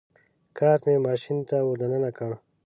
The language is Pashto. کارټ مې ماشین ته ور دننه کړ.